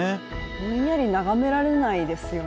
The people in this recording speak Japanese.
ぼんやり眺められないですよね。